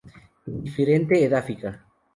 Indiferente edáfica.